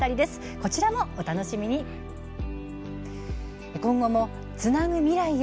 こちらもお楽しみに。